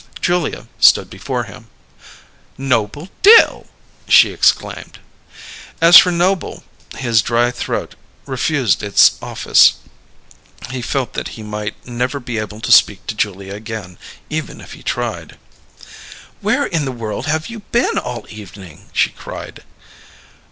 Julia stood before him. "Noble Dill!" she exclaimed. As for Noble, his dry throat refused its office; he felt that he might never be able to speak to Julia again, even if he tried. "Where in the world have you been all evening?" she cried.